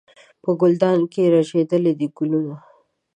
په ګلدان کې رژېدلي دي ګلونه